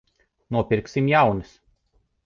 Nopirksim jaunas.